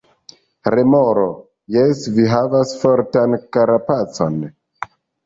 Remoro: "Jes, vi havas fortan karapacon."